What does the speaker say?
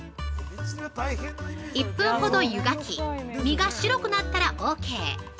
◆１分ほど湯がき身が白くなったらオーケー。